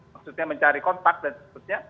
maksudnya mencari kontak dan seterusnya